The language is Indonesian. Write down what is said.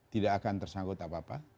tidak akan tersangkut apa apa